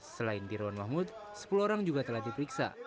selain diruan mahmud sepuluh orang juga telah diperiksa